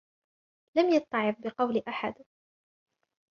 لَمْ يَتَّعِظْ بِقَوْلِ أَحَدٍ